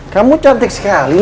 kamu cantik sekali